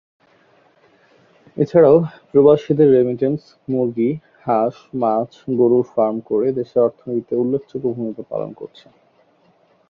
এছাড়াও প্রবাসীদের রেমিটেন্স, মুরগি, হাঁস, মাছ, গরুর ফার্ম করে দেশের অর্থনীতিতে উল্লেখযোগ্য ভূমিকা পালন করছে।